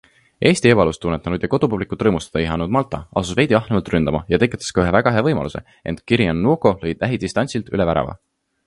Eesti ebalust tunnetanud ja kodupublikut rõõmustada ihanud Malta asus veidi ahnemalt ründama ja tekitas ka ühe väga hea võimaluse, ent Kyrian Nwoko lõi lähidistantsilt üle värava.